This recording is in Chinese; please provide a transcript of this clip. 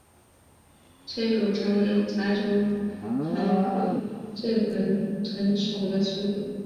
催乳藤为夹竹桃科醉魂藤属的植物。